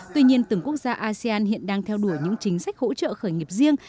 tuy nhiên từng quốc gia asean hiện đang theo đuổi những chính sách hỗ trợ khởi nghiệp riêng